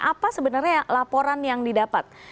apa sebenarnya laporan yang didapat